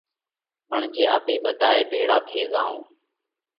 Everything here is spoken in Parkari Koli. پڻ جي آپي ٻڌائي ڀيۯا ٿي زائون